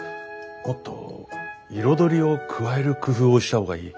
もっと彩りを加える工夫をした方がいい。